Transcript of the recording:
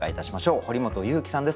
堀本裕樹さんです。